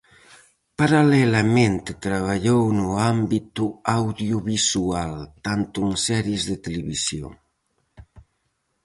Paralelamente traballou no ámbito audiovisual, tanto en series de televisión.